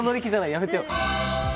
やめてよ。